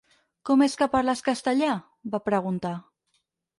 "Com és que parles castellà?" va preguntar.